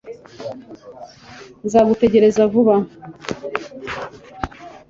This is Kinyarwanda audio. nzagutegereza vuba